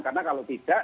karena kalau tidak